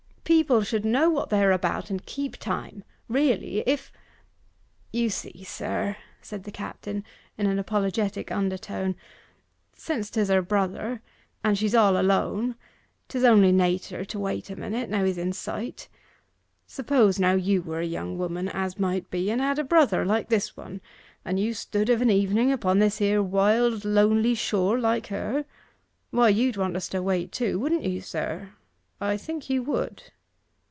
'People should know what they are about, and keep time. Really, if ' 'You see, sir,' said the captain, in an apologetic undertone, 'since 'tis her brother, and she's all alone, 'tis only nater to wait a minute, now he's in sight. Suppose, now, you were a young woman, as might be, and had a brother, like this one, and you stood of an evening upon this here wild lonely shore, like her, why you'd want us to wait, too, wouldn't you, sir? I think you would.